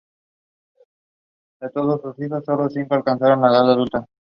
Brindó su talento negociador durante los difíciles momentos de la Independencia Argentina.